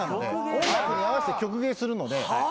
音楽に合わせて曲芸するので。